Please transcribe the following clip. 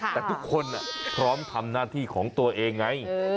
แต่ทุกคนพร้อมทำหน้าที่ของตัวเองไง